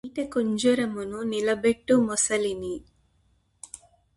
నీట కుంజరమును నిలబెట్టు మొసలిని